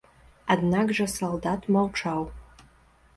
Аднак жа салдат маўчаў.